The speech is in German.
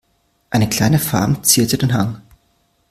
Eine kleine Farm zierte den Hang.